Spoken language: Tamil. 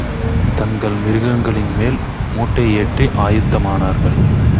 தங்கள் மிருகங்களின்மேல் முட்டை ஏற்றி ஆயத்தமானார்கள்.